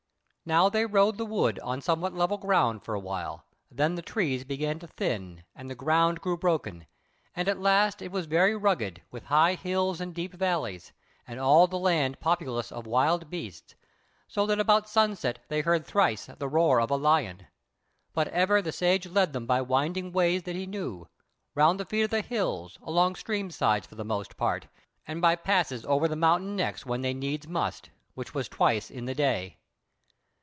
Now they rode the wood on somewhat level ground for a while; then the trees began to thin, and the ground grew broken; and at last it was very rugged, with high hills and deep valleys, and all the land populous of wild beasts, so that about sunset they heard thrice the roar of a lion. But ever the Sage led them by winding ways that he knew, round the feet of the hills, along stream sides for the most part, and by passes over the mountain necks when they needs must, which was twice in the day.